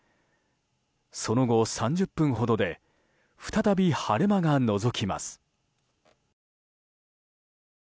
その後３０分ほどで再び晴れ間がのぞきます。